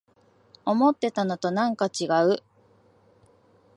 思ってたのとなんかちがう